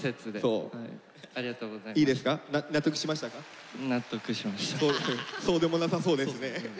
そうでもなさそうですね。